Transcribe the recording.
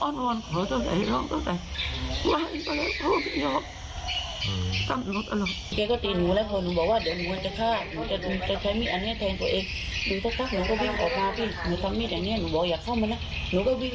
อ้อนวอนขอโทษให้ลองโทษให้ว่าให้ตัวเองโทษไม่ยอม